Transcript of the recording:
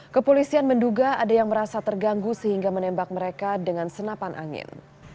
kepolisian menduga ada yang merasa terganggu sehingga menembak mereka dengan senapan angin